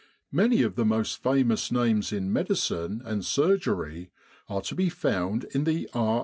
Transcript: Many of the most famous names in medicine and surgery are to be found in the R.